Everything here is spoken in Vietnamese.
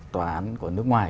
tòa án của nước ngoài